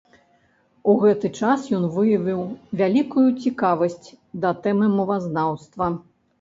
У гэты час ён выявіў вялікую цікавасць да тэмы мовазнаўства.